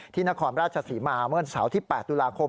ที่นครราชศรีมะอาเมินเสาร์ที่๘ตุลาคม